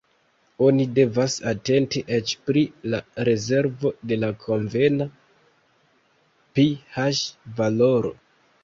Oni devas atenti eĉ pri la rezervo de la konvena pH-valoro.